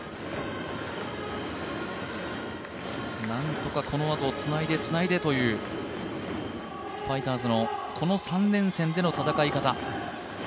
何とかこのあとつないで、つないでというファイターズのこの３連戦での戦い方。